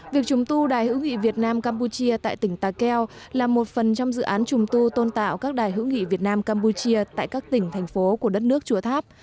việc trùng tu đài hữu nghị việt nam campuchia tại tỉnh takeo là một phần trong dự án trùng tu tôn tạo các đài hữu nghị việt nam campuchia tại các tỉnh thành phố của đất nước chùa tháp